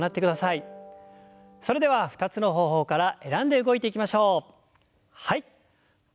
それでは２つの方法から選んで動いていきましょう。